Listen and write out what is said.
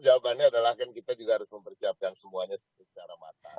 jawabannya adalah kan kita juga harus mempersiapkan semuanya secara matang